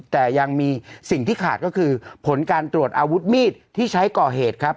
แต่ยังมีสิ่งที่ขาดก็คือผลการตรวจอาวุธมีดที่ใช้ก่อเหตุครับ